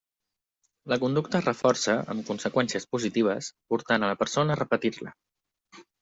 La conducta es reforça, amb conseqüències positives, portant a la persona a repetir-la.